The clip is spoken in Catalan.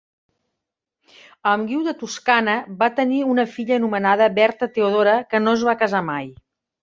Amb Guiu de Toscana va tenir una filla anomenada Berta Theodora que no es va casar mai.